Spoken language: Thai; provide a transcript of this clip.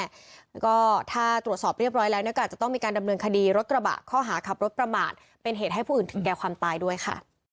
แล้วก็ถ้าตรวจสอบเรียบร้อยแล้วเนี่ยก็อาจจะต้องมีการดำเนินคดีรถกระบะข้อหาขับรถประมาทเป็นเหตุให้ผู้อื่นถึงแก่ความตายด้วยค่ะ